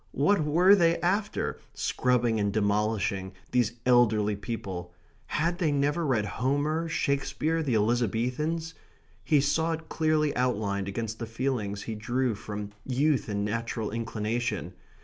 What were they after, scrubbing and demolishing, these elderly people? Had they never read Homer, Shakespeare, the Elizabethans? He saw it clearly outlined against the feelings he drew from youth and natural inclination.